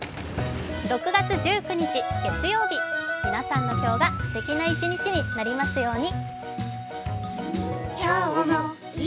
６月１９日月曜日、皆さんの今日がすてきな一日になりますように。